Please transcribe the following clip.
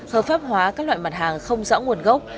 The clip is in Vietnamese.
hợp pháp hóa các loại mặt hàng không rõ nguồn gốc